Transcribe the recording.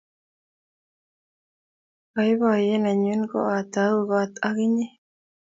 baibaiet nenyun ko a tau kot ak inyen